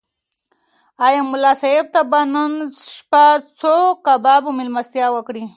ایا ملا صاحب ته به نن شپه څوک کباب مېلمستیا وکړي؟